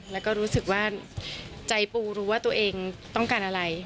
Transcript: แล้วก็รู้สึกว่าใจปูรู้ว่าตัวเองต้องการอะไร